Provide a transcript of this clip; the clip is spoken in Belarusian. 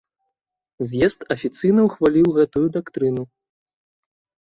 З'езд афіцыйна ўхваліў гэтую дактрыну.